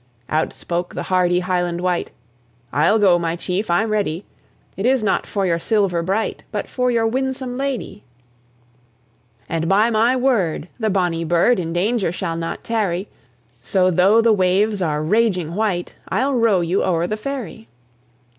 Outspoke the hardy Highland wight, "I'll go, my chief I'm ready; It is not for your silver bright, But for your winsome lady: "And by my word! the bonny bird In danger shall not tarry; So though the waves are raging white, I'll row you o'er the ferry."